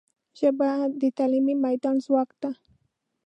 ژبه د تعلیمي میدان ځواک ده